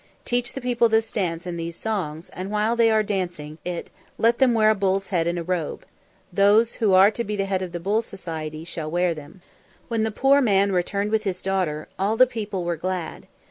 Teach the people this dance and these songs, and while they are dancing it let them wear a bull's head and a robe. Those who are to be of the Bulls Society shall wear them." When the poor man returned with his daughter, all the people were glad.